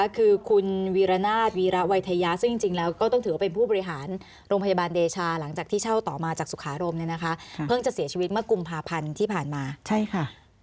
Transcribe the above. คือคุณวีรนาศวีระวัยทยาซึ่งจริงแล้วก็ต้องถือว่าเป็นผู้บริหารโรงพยาบาลเดชาหลังจากที่เช่าต่อมาจากสุขารมเนี่ยนะคะเพิ่งจะเสียชีวิตเมื่อกุมภาพันธ์ที่ผ่านมาใช่ค่ะ